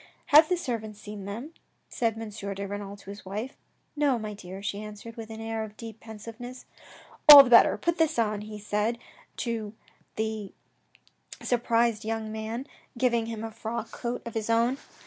" Have the servants seen him ?" said M. de Renal to his wife. " No, my dear," she answered, with an air of deep pensiveness. " All the better. Put this on," he said to the surprised 32 THE RED AND THE BLACK young man, giving him a frock coat of his own.